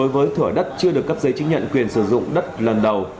với thửa đất chưa được cấp giấy chứng nhận quyền sử dụng đất lần đầu